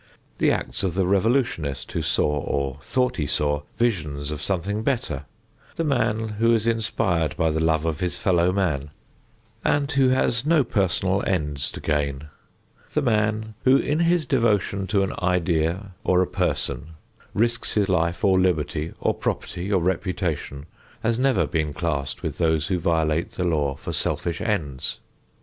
The acts of the revolutionist who saw, or thought he saw, visions of something better; the man who is inspired by the love of his fellow man and who has no personal ends to gain; the man who in his devotion to an idea or a person risks his life or liberty or property or reputation, has never been classed with those who violate the law for selfish ends.